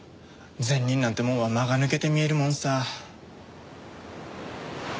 善人なんてもんは間が抜けて見えるもんさ。